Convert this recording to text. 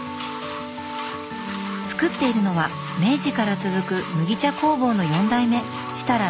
作っているのは明治から続く麦茶工房の４代目設楽徳子さん。